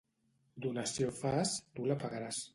Donació fas, tu la pagaràs.